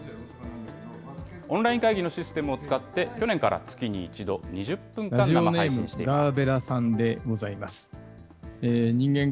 オンライン会議のシステムを使って去年から月に１度、２０分間、生配信しています。